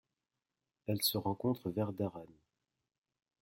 Elle se rencontre vers Dhahran.